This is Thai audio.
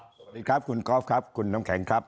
สวัสดีครับคุณกอล์ฟครับคุณน้ำแข็งครับ